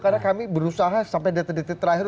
karena kami berusaha sampai detik detik terakhir